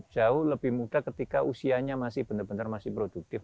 jauh lebih muda ketika usianya masih benar benar masih produktif